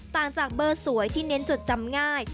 ต่างจากเบอร์สวยที่เน้นจดจำง่าย